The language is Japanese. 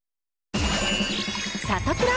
サタプラ。